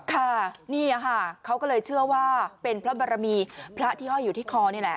ค่ะนี่ค่ะเขาก็เลยเชื่อว่าเป็นพระบรมีพระที่ห้อยอยู่ที่คอนี่แหละ